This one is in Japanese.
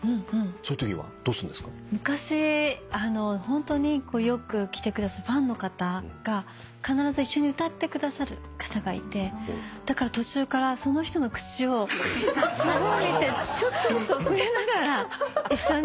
昔ホントによく来てくださるファンの方が必ず一緒に歌ってくださる方がいてだから途中からその人の口をすごい見てちょっとずつ遅れながら一緒に歌いました。